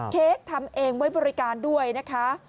เค้กทำเองไว้บริการด้วยนะคะ